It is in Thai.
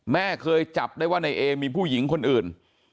แม่เคยจับได้ว่าในเอมีผู้หญิงคนอื่น